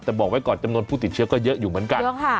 แต่บอกไว้ก่อนจำนวนผู้ติดเชื้อก็เยอะอยู่เหมือนกัน